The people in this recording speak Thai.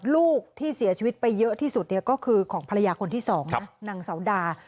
ลูกที่เสียชีวิตไปเยอะที่สุดเนี่ยก็คือของภรรยาคนที่สองนะนางเสาดา